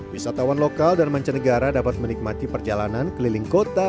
wisatawan lokal dan mancanegara dapat menikmati perjalanan keliling kota